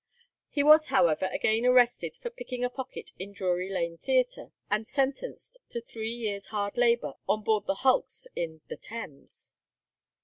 He was, however, again arrested for picking a pocket in Drury Lane Theatre, and sentenced to three years' hard labour on board the hulks in the Thames.